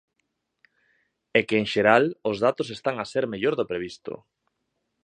E que, en xeral, os datos están a ser mellor do previsto.